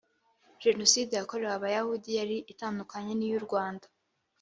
genoside yakorewe abayahudi yari itandukanye niyu rwanda